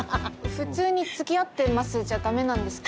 普通につきあってますじゃダメなんですか？